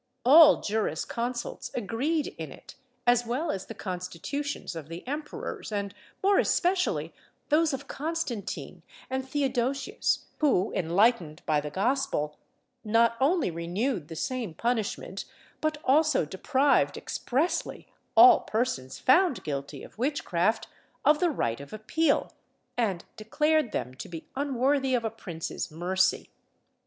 All juris consults agreed in it, as well as the constitutions of the emperors, and more especially those of Constantine and Theodosius, who, enlightened by the Gospel, not only renewed the same punishment, but also deprived, expressly, all persons found guilty of witchcraft of the right of appeal, and declared them to be unworthy of a prince's mercy.